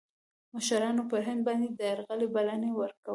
مشـرانو پر هند باندي د یرغل بلني ورکولې.